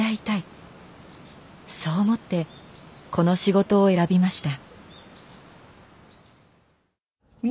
そう思ってこの仕事を選びました。